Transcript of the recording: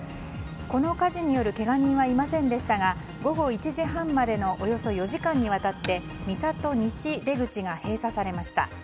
この火事によるけが人はいませんでしたが午後１時半までのおよそ４時間にわたって三郷西出口が閉鎖されました。